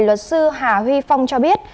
luật sư hà huy phong cho biết